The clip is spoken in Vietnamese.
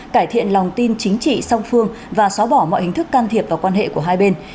cải thiện lòng tin chính trị song phương và xóa bỏ mọi hình thức can thiệp vào quan hệ của hai bên